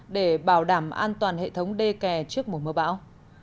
để bảo đảm an toàn hệ thống đê kè trước mùa mưa bão